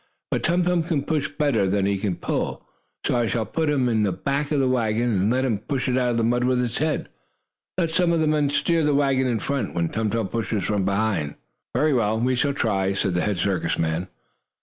But Tum Tum can push better than he can pull, so I shall put him in back of the wagon, and let him push it out of the mud with his head. Let some of the men steer the wagon in front, when Tum Tum pushes from behind." "Very well, we shall try," said the head circus man.